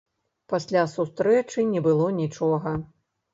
Пасля сустрэчы не было нічога.